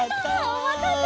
おまたせ！